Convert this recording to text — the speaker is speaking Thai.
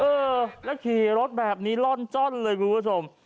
เออแล้วขี่รถแบบนี้ล่อนจ้อนเลยคุณผู้ชม